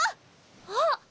あっ！